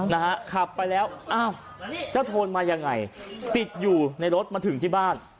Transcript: นะฮะขับไปแล้วอ้าวเจ้าโทนมายังไงติดอยู่ในรถมาถึงที่บ้าน